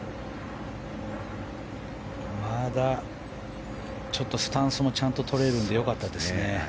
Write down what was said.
まだちょっとスタンスもちゃんととれるので良かったですね。